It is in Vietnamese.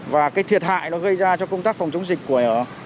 và cái thiệt hại nó gây ra cho công tác phòng chống dịch của